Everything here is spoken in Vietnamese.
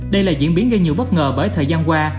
đây là diễn biến gây nhiều bất ngờ bởi thời gian qua